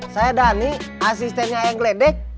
saya dhani asistennya eyang kledek